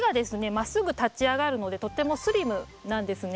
まっすぐ立ち上がるのでとってもスリムなんですね。